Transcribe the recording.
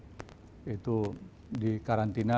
yaitu di karantina